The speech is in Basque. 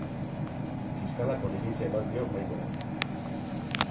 Fiskalak oniritzia eman dio baimenari.